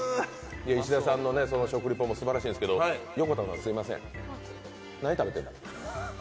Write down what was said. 石田さんの食リポもすばらしいんですけど、横田さんすみません何食べてんの？